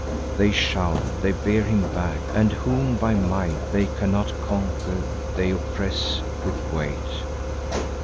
They shout: they bear him back; and, whom by might They cannot conquer, they oppress with weight.